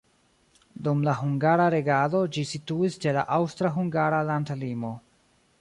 Dum la hungara regado ĝi situis ĉe la aŭstra-hungara landlimo.